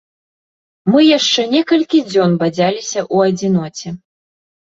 Мы яшчэ некалькі дзён бадзяліся ў адзіноце.